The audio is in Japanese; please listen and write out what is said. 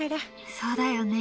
そうだよね。